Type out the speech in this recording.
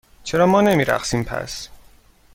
چرا ما نمی رقصیم، پس؟